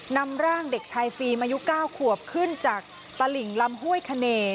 นำร่างเด็กชายฟิล์มอายุ๙ขวบขึ้นจากตลิ่งลำห้วยขเน